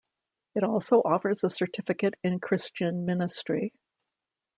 It also offers a Certificate in Christian Ministry.